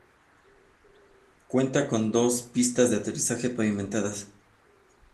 Cuenta con dos pistas de aterrizaje pavimentadas:.